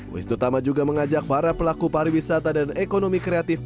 wisnu tama juga mengajak para pelaku pariwisata dan ekonomi kreatif